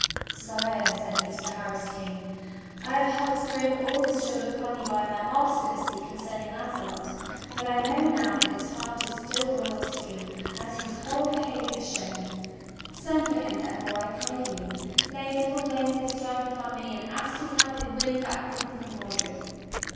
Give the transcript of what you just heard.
"Sire," said he to the harassed King, "I have helped to bring all this trouble upon you by my obstinacy concerning Launcelot, but I know now that his heart is still loyal to you as his whole be havior has shown. Send for him, therefore, I pray you; lay the full blame of this strife upon me; and ask his help in winning back Bri tain from Mordred."